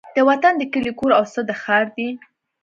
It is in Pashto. د وطن د کلي کور او څه د ښار دي